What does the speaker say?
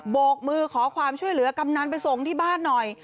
กมือขอความช่วยเหลือกำนันไปส่งที่บ้านหน่อย